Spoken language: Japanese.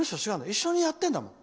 一緒にやってるんだもん。